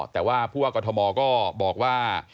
แต่ว่าพวกกฏธมองก็บอกว่า